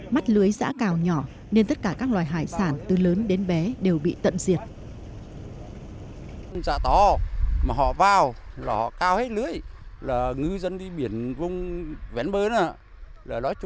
mắt lưới giã cào nhỏ nên tất cả các loài hải sản từ lớn đến bé đều bị tận diệt